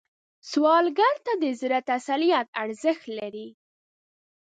سوالګر ته د زړه تسلیت ارزښت لري